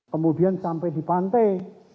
kemudian sampai di pantai